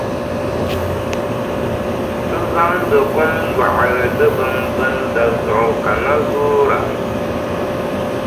Ti zaŋdi kom yɔɣiri ti bimbinda zuɣu ka ŋa zoora.